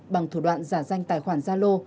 bằng thủ đoạn giả danh tài khoản gia lô